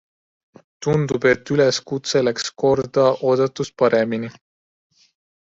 Tundub, et üleskutse läks korda oodatust paremini.